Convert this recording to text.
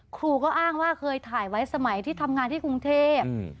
ครูก็อ้างว่าเคยถ่ายไว้สมัยที่ทำงานที่กรุงเทพ